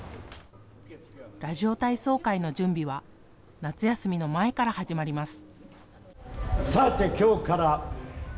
ラジオ体操会の準備は夏休みの前から始まります。